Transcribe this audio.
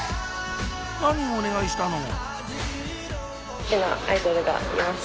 何お願いしたの？